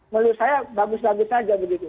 menurut saya bagus bagus saja begitu